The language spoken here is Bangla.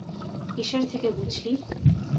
কিসের থেকে বুঝলি?